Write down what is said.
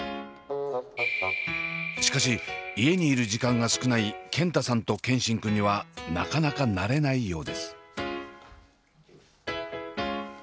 しかし家にいる時間が少ない健太さんと健新くんにはなかなか慣れないようです。